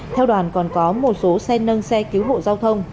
theo đoàn còn có một số xe nâng xe cứu hộ giao thông